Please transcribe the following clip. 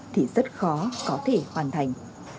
thì rất khó có thể hoàn thành